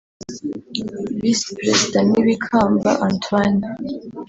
Visi Perezida ni Bikamba Antoine